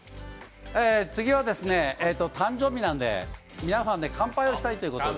次は誕生日なんで皆さんで乾杯をしたいということで。